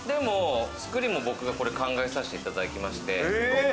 作りも僕が考えさせていただきまして。